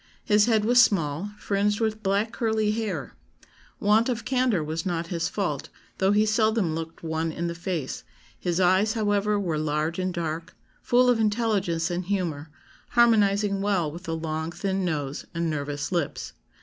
His head was small, fringed with black curly hair. Want of candour was not his fault, though he seldom looked one in the face; his eyes, however, were large and dark, full of intelligence and humour, harmonising well with the long thin nose and nervous lips.